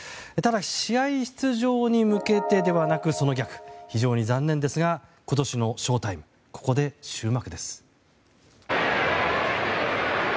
試合出場に向けてではなくその逆非常に残念ですが今年のショウタイムはここで終幕です。